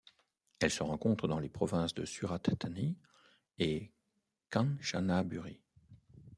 Elle se rencontre dans les provinces de Surat Thani et de Kanchanaburi.